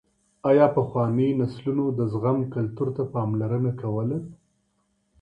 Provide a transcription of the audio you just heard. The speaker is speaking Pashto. ايا پخوانيو نسلونو د زغم کلتور ته پاملرنه کوله؟